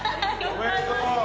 おめでとう。